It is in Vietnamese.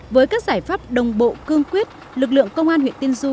với các giải pháp đồng bộ cương quyết lực lượng công an huyện tiên du